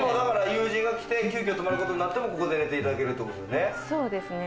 友人が来て急きょ泊まることになっても、ここで寝ていただけるってことですね。